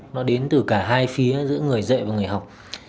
nó đến từ cả hai phía giữa người dạy và người học